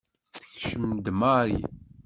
Tekcem-d Mary.